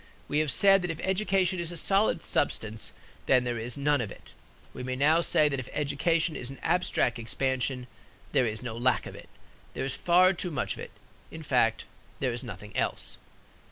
We have said that if education is a solid substance, then there is none of it. We may now say that if education is an abstract expansion there is no lack of it. There is far too much of it. In fact, there is nothing else.